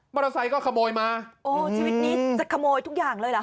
เตอร์ไซค์ก็ขโมยมาโอ้ชีวิตนี้จะขโมยทุกอย่างเลยเหรอ